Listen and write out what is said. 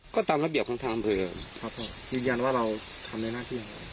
ก็ตามระเบียบของทางอำเภอยืนยันว่าเราทำได้หน้าที่อะไร